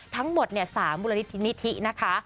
ทั้งหมด๓มูลนิธินะคะ